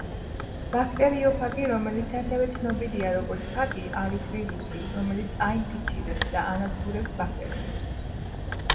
ბაქტერიოფაგი, რომელიც ასევე ცნობილია როგორც ფაგი, არის ვირუსი, რომელიც აინფიცირებს და ანადგურებს ბაქტერიებს